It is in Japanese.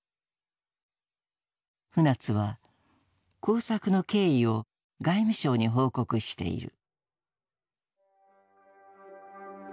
船津は工作の経緯を外務省に報告している。